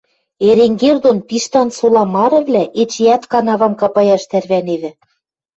Эренгер дон Пиштан сола марывлӓ эчеӓт канавам капаяш тӓрвӓневӹ